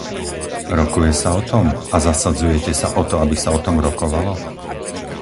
Rokuje sa o tom a zasadzujete sa o to, aby sa o tom rokovalo?